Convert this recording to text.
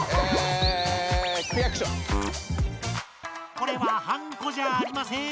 これはハンコじゃありません。